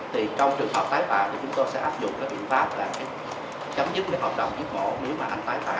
thì trong trường hợp tái phạm thì chúng tôi sẽ áp dụng các biện pháp là chấm dứt cái hợp đồng giết mổ nếu mà anh tái phạm